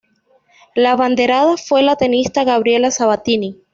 La abanderada fue la tenista Gabriela Sabatini.